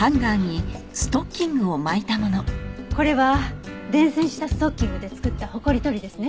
これは伝線したストッキングで作ったホコリ取りですね。